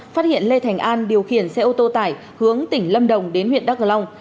phát hiện lê thành an điều khiển xe ô tô tải hướng tỉnh lâm đồng đến huyện đắk cờ long